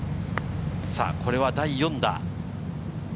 これは第４打。